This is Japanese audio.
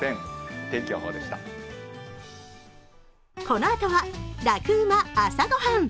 このあとは「ラクうま！朝ごはん」。